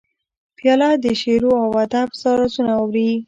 پیاله د شعرو او ادب رازونه اوري.